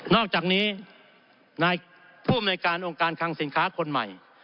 อกจากนี้นายผู้อำนวยการองค์การคังสินค้าคนใหม่